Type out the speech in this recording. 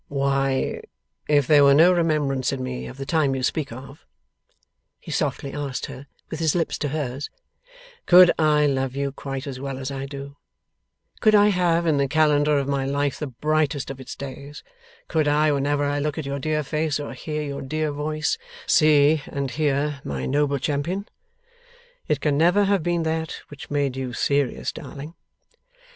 'Why, if there were no remembrance in me of the time you speak of,' he softly asked her with his lips to hers, 'could I love you quite as well as I do; could I have in the Calendar of my life the brightest of its days; could I whenever I look at your dear face, or hear your dear voice, see and hear my noble champion? It can never have been that which made you serious, darling?